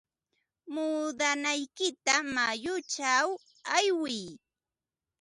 Muudanaykita mayuchaw aywiy.